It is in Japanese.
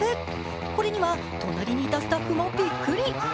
これには隣にいたスタッフもびっくり。